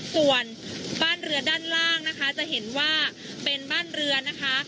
ส่วนบ้านเรือด้านล่างนะคะจะเห็นว่าเป็นบ้านเรือนะคะ